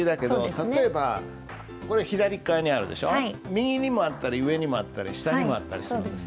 右にもあったり上にもあったり下にもあったりするんです。